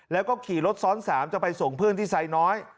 แล้วก็ขี่รถซ้อน๓จะไปส่งเพื่อนที่ไซน้อย